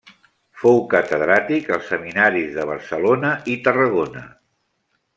Fou catedràtic als seminaris de Barcelona i Tarragona.